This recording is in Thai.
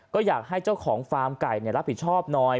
ก็อยากให้เจ้าของฟาร์มไก่รับผิดชอบหน่อย